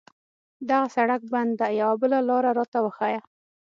دغه سړک بند ده، یوه بله لار راته وښایه.